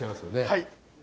はい。